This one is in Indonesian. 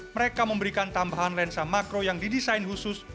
mereka memberikan tambahan lensa makro yang didesain khusus